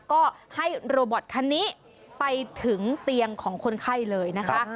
ก็ให้โรบอตคันนี้ไปถึงเตียงของคนไข้เลยนะคะ